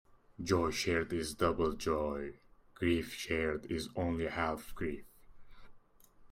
Joy shared is double joy; grief shared is only half grief.